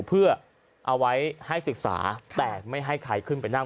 เพื่อเอาไว้ให้ศึกษาแต่ไม่ให้ใครขึ้นไปนั่ง